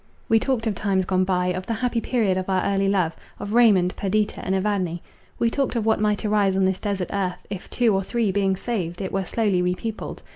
We talked of times gone by; of the happy period of our early love; of Raymond, Perdita, and Evadne. We talked of what might arise on this desert earth, if, two or three being saved, it were slowly re peopled.